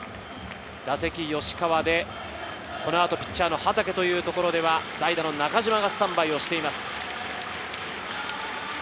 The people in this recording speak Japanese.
打席吉川で、このあとピッチャーの畠というところでは代打の中島がスタンバイしています。